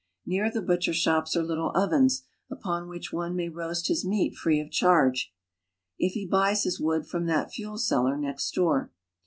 Near the butcher shops are little oven,s, upon which one may roast his meat free of charge, if he buys his wood from that fuel seller next door.